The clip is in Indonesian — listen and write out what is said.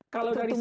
kalau dari sisi